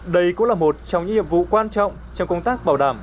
đây cũng là một trong những hiệp vụ quan trọng trong công tác bảo đảm